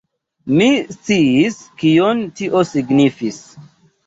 Mi sciis, kion tio signifis.